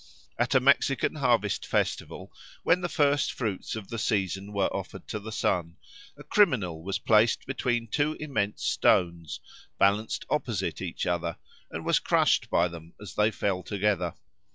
At a Mexican harvest festival, when the first fruits of the season were offered to the sun, a criminal was placed between two immense stones, balanced opposite each other, and was crushed by them as they fell together.